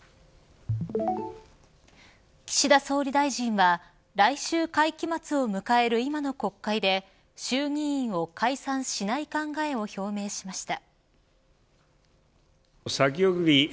岸田総理大臣は来週会期末を迎える今の国会で衆議院を解散しない考えを表明しました。